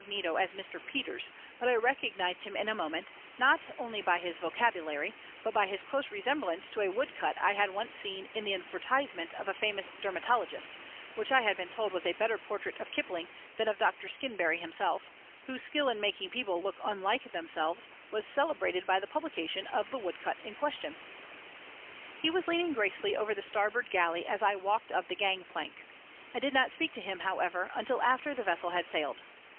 _ as Mr. Peters, but I recognized him in a moment, not only by his vocabulary, but by his close resemblance to a wood cut I had once seen in the advertisement of a famous dermatologist, which I had been told was a better portrait of Kipling than of Dr. Skinberry himself, whose skill in making people look unlike themselves was celebrated by the publication of the wood cut in question. He was leaning gracefully over the starboard galley as I walked up the gang plank. I did not speak to him, however, until after the vessel had sailed.